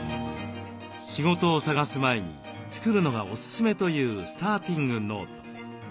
仕事を探す前に作るのがおすすめというスターティングノート。